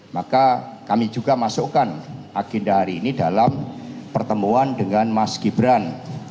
maka kami juga masukkan agenda hari ini dalam pertemuan dengan mas gibran